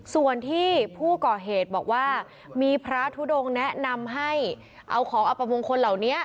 ส่วนที่ผู้ก่อเหตุบอกว่ามีพระทุดงแนะนำให้เอาของอัปมงคลเหล่านี้